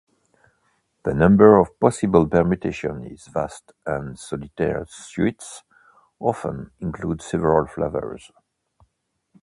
The number of possible permutations is vast, and solitaire suites often include several flavours.